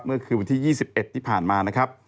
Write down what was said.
เมื่อคืนวันที่๒๑ที่ผ่านมานะครับ